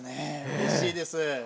うれしいです。